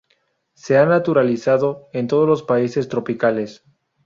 Se ha naturalizado en todos los países tropicales.